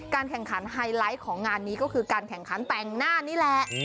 แข่งขันไฮไลท์ของงานนี้ก็คือการแข่งขันแต่งหน้านี่แหละ